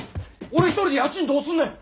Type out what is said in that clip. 俺一人で家賃どうすんねん！